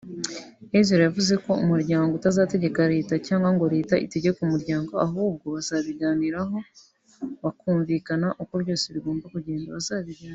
Ezra yavuze ko umuryango utazategeka leta cyangwa ngo leta itegeke umuryango ahubwo bazabiganiraho bakumvikana uko byose bigomba kugenda